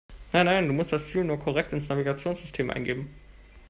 Nein, nein, du musst das Ziel nur korrekt ins Navigationssystem eingeben.